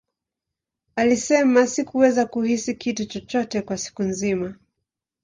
Alisema, Sikuweza kuhisi kitu chochote kwa siku nzima.